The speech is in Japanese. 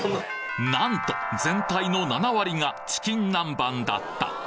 なんと全体の７割がチキンナンバンだった